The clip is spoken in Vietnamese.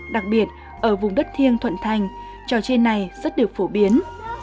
đặc biệt ở vùng đất thiêng thuận thành trò chơi này rất được phổ biến